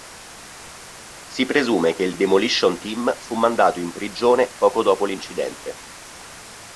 Si presume che il Demolition Team fu mandato in prigione poco dopo l'incidente.